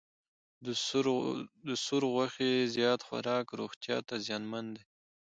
د سور غوښې زیات خوراک روغتیا ته زیانمن دی.